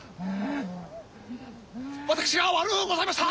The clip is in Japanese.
私が悪うございました！